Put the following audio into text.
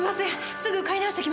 すぐ買い直してきます！